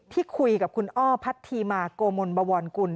ที่คุยกับคุณอ้อพัทธีมาโกมลบวรกุล